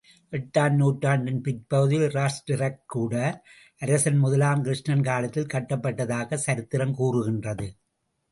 எட்டாம் நூற்றாண்டின் பிற்பகுதியில் ராஷ்டிரக்கூட அரசன் முதலாம் கிருஷ்ணன் காலத்தில் கட்டப் பட்டதாகச் சரித்திரம் கூறுகின்றது.